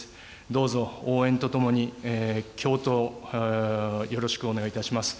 どうぞ、応援とともに共闘をよろしくお願いします。